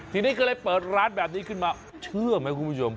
ทีนี้ก็เลยเปิดร้านแบบนี้ขึ้นมาเชื่อไหมคุณผู้ชม